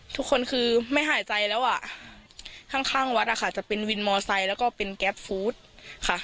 ทุกคนคือไม่หายใจแล้วอ่ะข้างข้างวัดนะคะจะเป็นวินมอไซค์แล้วก็เป็นแก๊ปฟู้ดค่ะ